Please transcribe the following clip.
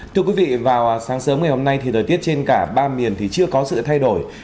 thưa quý vị vào sáng sớm ngày hôm nay thì thời tiết trên cả ba miền thì chưa có sự thay đổi